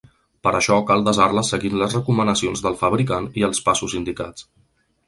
Per això cal desar-les seguint les recomanacions del fabricant i els passos indicats.